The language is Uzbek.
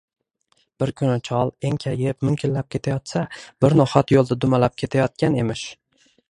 Bir kuni chol enkayib, munkillab kelayotsa, bir no’xat yo’lda dumalab ketayotgan emish.